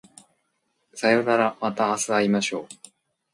さようならまた明日会いましょう